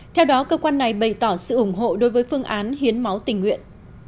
theo đó cơ quan này bày tỏ sự ủng hộ đối với phương án hiến máu tình nguyện